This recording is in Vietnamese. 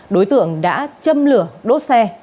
đối tượng đã châm lửa đốt xe